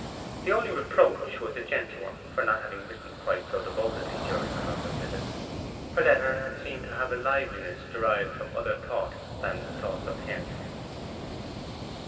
The only reproach was a gentle one for not having written quite so devotedly during her visit to London. Her letter had seemed to have a liveliness derived from other thoughts than thoughts of him.